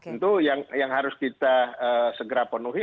itu yang harus kita segera penuhi